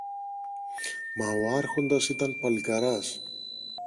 Μα ο Άρχοντας ήταν παλικαράς.